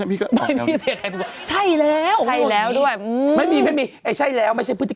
พี่ก็ออกแล้วนี่